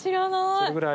それぐらい。